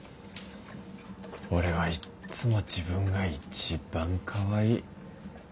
俺はいっつも自分が一番かわいい。